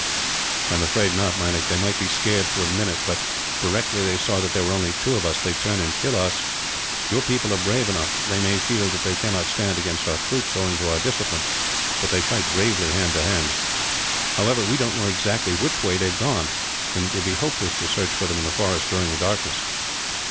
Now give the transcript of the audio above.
"I am afraid not, Meinik. There might be a scare for a minute but, directly they saw that there were only two of us, they would turn and kill us. Your people are brave enough. They may feel that they cannot stand against our troops, owing to our discipline; but they fight bravely hand to hand. However, we don't know exactly which way they have gone; and it would be hopeless to search for them in the forest, during the darkness.